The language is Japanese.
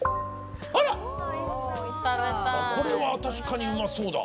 あらこれは確かにうまそうだ。